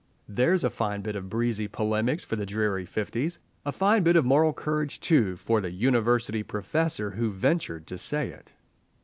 There's a fine bit of breezy polemics for the dreary fifties—a fine bit of moral courage too for the University professor who ventured to say it.